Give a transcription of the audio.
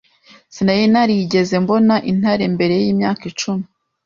Sinari narigeze mbona intare mbere yimyaka icumi.